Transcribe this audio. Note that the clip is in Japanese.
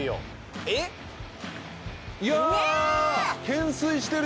懸垂してるやん。